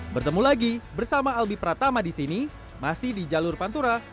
bertemu lagi bersama albi pratama di sini masih di jalur pantura